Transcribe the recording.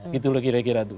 gitu lah kira kira itu